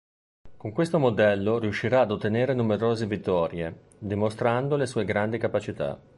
Con questo modello riuscirà ad ottenere numerose vittorie dimostrando le sue grandi capacità.